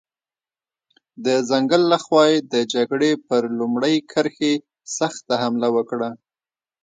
د ځنګل له خوا یې د جګړې پر لومړۍ کرښې سخته حمله وکړه.